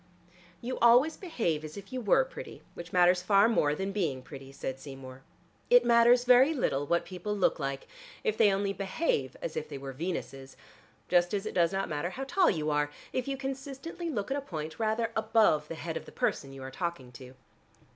"You always behave as if you were pretty, which matters far more than being pretty," said Seymour. "It matters very little what people look like, if they only behave as if they were Venuses, just as it does not matter how tall you are if you consistently look at a point rather above the head of the person you are talking to."